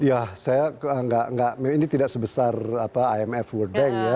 ya saya ini tidak sebesar imf world bank ya